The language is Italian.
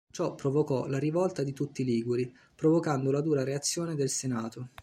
Ciò provocò la rivolta di tutti i Liguri, provocando la dura reazione del Senato.